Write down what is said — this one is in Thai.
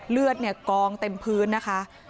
เลือดกองเต็มพื้นนะคะ